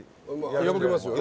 破けますよね。